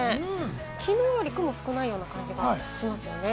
きのうよりも雲、少ないような感じがしますよね。